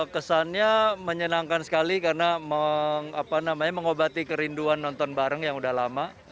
kesannya menyenangkan sekali karena mengobati kerinduan nonton bareng yang udah lama